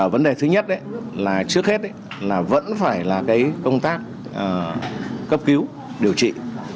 vấn đề thứ nhất là trước hết là vẫn phải là công tác cấp cứu điều trị